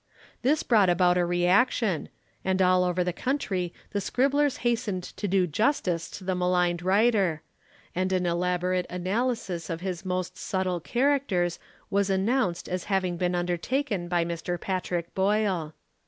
This brought about a reaction, and all over the country the scribblers hastened to do justice to the maligned writer, and an elaborate analysis of his most subtle characters was announced as having been undertaken by Mr. Patrick Boyle.